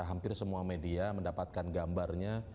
hampir semua media mendapatkan gambarnya